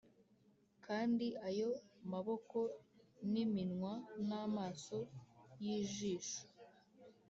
kandi ayo maboko n'iminwa n'amaso y'ijisho